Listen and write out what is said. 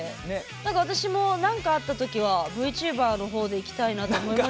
何か私も何かあった時はＶＴｕｂｅｒの方でいきたいなと思いました。